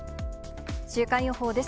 週間予報です。